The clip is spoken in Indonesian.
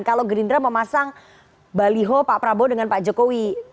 kalau gerindra memasang baliho pak prabowo dengan pak jokowi